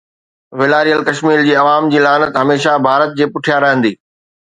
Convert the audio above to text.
والاريل ڪشمير جي عوام جي لعنت هميشه ڀارت جي پٺيان رهندي